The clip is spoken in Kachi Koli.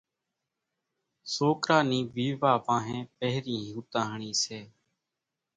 سوڪرا نِي ويوا وانھين پھرين ھوتاۿڻي سي۔